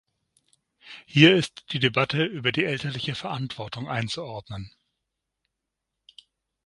Hier ist die Debatte über die elterliche Verantwortung einzuordnen.